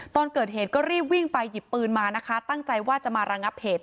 ตอนเกิดเหตุก็รีบวิ่งไปหยิบปืนมานะคะตั้งใจว่าจะมาระงับเหตุ